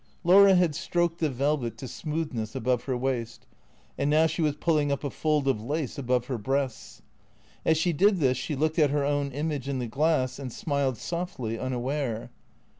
Laura had stroked the velvet to smoothness about her waist, and now she was pulling up a fold of lace above her breasts. As she did this she looked at her own image in the glass and smiled softly, unaware.